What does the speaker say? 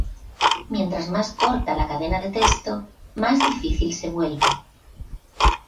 Mientras más corta la cadena de texto, más difícil se vuelve.